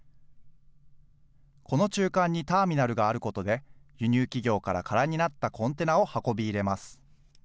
この中間にターミナルがあることで、輸入企業から空になったコンテナを運び入れます。